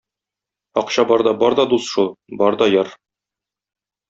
Акча барда бар да дус шул, бар да яр